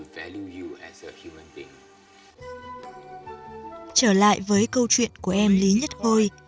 trở lại với câu chuyện của em lý nhất khôi